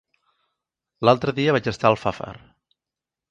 L'altre dia vaig estar a Alfafar.